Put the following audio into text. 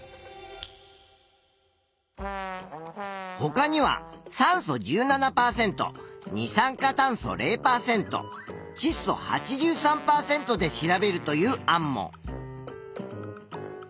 ほかには酸素１７％二酸化炭素０％ちっ素８３％で調べるという案も。